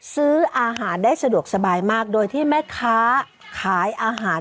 ซื้ออาหารได้สะดวกสบายมากโดยที่แม่ค้าขายอาหาร